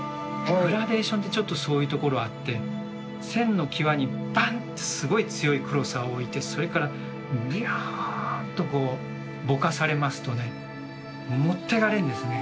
グラデーションってちょっとそういうところあって線の際にバンってすごい強い黒さを置いてそれからビャンとこうぼかされますとね持ってかれんですね。